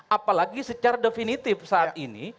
apalagi secara definitif saat ini